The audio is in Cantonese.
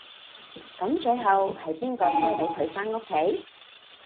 噉最後係邊個車到佢返屋企？